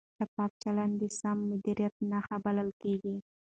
شفاف چلند د سم مدیریت نښه بلل کېږي.